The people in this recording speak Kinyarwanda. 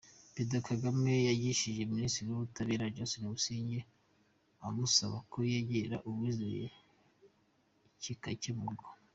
Perezida Kagame yagishinze Minisitiri w’Ubutabera, Johnston Busingye, amusaba ko yegera Uwizeye kigakemurwa.